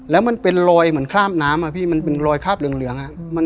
แล้วมันเป็นรอยเหมือนคราบน้ำอะพี่มันเป็นรอยคราบเหลือง